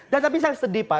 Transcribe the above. dan tapi saya sedih pak